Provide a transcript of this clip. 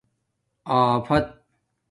آفت